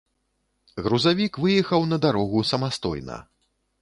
Грузавік выехаў на дарогу самастойна.